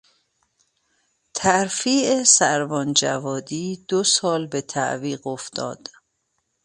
ترفیع سروان جوادی دو سال به تعویق افتاد.